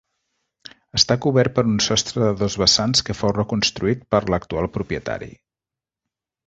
Està cobert per un sostre de dos vessants que fou reconstruït per l'actual propietari.